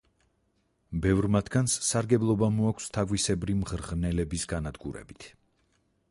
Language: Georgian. ბევრ მათგანს სარგებლობა მოაქვს თაგვისებრი მღრღნელების განადგურებით.